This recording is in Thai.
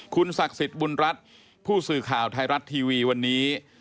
คุณศักดิ์สิทธิ์บุญรัฐผู้สื่อข่าวไทยรัฐทีวีวันนี้